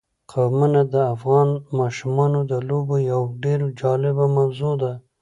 قومونه د افغان ماشومانو د لوبو یوه ډېره جالبه موضوع ده.